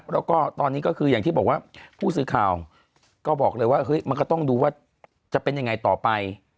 แล้วก็ตอนนี้ก็คืออย่างที่บอกว่าผู้สื่อข่าวก็บอกเลยว่าเฮ้ยมันก็ต้องดูว่าจะเป็นยังไงต่อไป